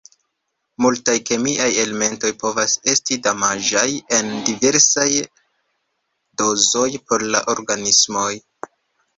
Multaj kemiaj elementoj povas esti damaĝaj en diversaj dozoj por la organismoj.